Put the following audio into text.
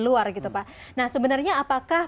luar gitu pak nah sebenarnya apakah